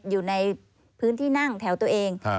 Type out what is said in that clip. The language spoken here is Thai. อยู่ในพื้นที่นั่งแถวตัวเอง